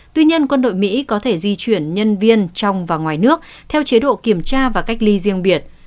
tuy nhiên quân đội mỹ có thể di chuyển nhân viên trong và ngoài nước theo chế độ kiểm tra và cách ly riêng biệt